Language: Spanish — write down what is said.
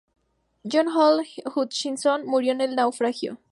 John Hall Hutchinson murió en el naufragio.